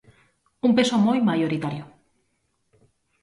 Un peso moi maioritario.